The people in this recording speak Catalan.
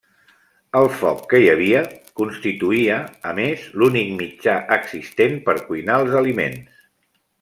El foc que hi havia constituïa a més l'únic mitjà existent per cuinar els aliments.